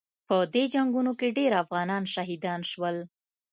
په دې جنګونو کې ډېر افغانان شهیدان شول.